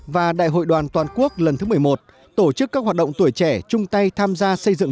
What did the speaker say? và đại hội đoàn toàn quốc lần thứ một mươi một tổ chức các hoạt động tuổi trẻ chung tay tham gia xây dựng